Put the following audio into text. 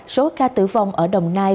số ca tử vong ở đồng nai